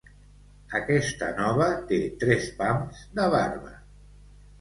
Aquesta nova té tres pams de barba.